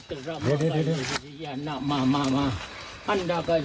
เอาดำ